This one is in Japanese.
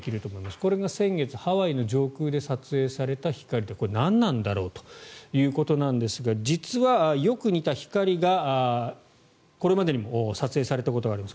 これが先月、ハワイの上空で撮影された光でこれ、何なんだろうということですが実はよく似た光が、これまでにも撮影されたことがあります。